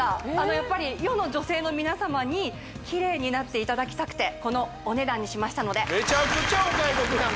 やっぱり世の女性の皆様にキレイになっていただきたくてこのお値段にしましたのでメチャクチャお買い得やん